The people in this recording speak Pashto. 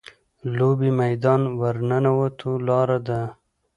لوبې میدان ورننوتو لاره ده.